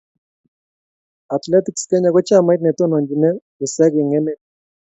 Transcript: Athletics Kenya Ko chamait netonontochine wiseek eng emet.